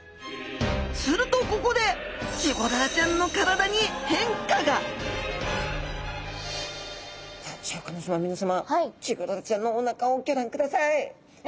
するとここでチゴダラちゃんのさあシャーク香音さま皆さまチゴダラちゃんのおなかをギョ覧ください。